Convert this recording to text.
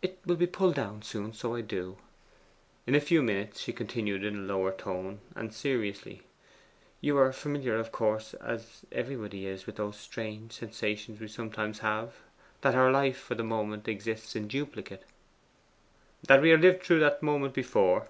'It will be pulled down soon: so I do.' In a few minutes she continued in a lower tone, and seriously, 'You are familiar of course, as everybody is, with those strange sensations we sometimes have, that our life for the moment exists in duplicate.' 'That we have lived through that moment before?